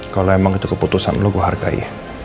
kalau memang itu keputusan lo gue hargai